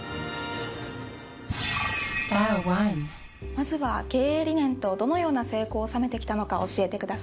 まずは経営理念とどのような成功を収めてきたのか教えてください。